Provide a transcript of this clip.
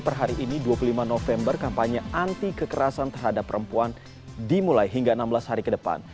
per hari ini dua puluh lima november kampanye anti kekerasan terhadap perempuan dimulai hingga enam belas hari ke depan